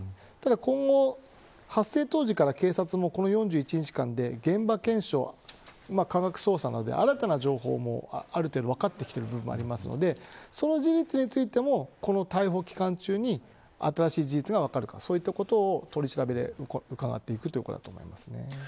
今後、発生当時から警察も４１日間で、現場検証や科学捜査などで新たな情報もある程度分かってきている部分はあるのでそういった事実についてもこの逮捕期間中に新しい事実が分かるかということを取り調べで分かっていくと思います。